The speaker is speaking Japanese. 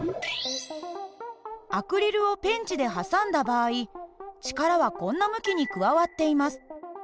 アクリルをペンチで挟んだ場合力はこんな向きに加わっています。